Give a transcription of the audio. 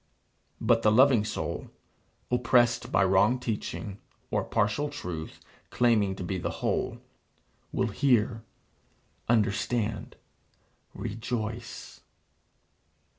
But the loving soul, oppressed by wrong teaching, or partial truth claiming to be the whole, will hear, understand, rejoice.